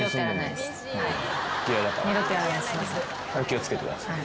気を付けてください。